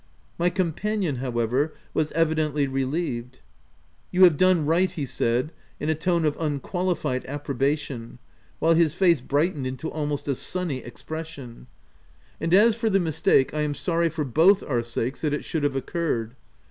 My companion however, was evidently relieved. " You have done right!" he said in a tone of unqualified approbation, while his face brightened into almost a sunny expression. OF WILDFELL HALL. 163 " And as for the mistake, I am sorry for both our sakes that it should have occurred.